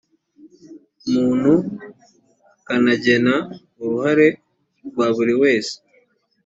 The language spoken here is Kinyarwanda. muntu akanagena uruhare rwa buri wese